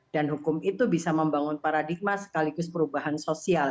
dan hukum itu bisa membangun paradigma sekaligus perubahan sosial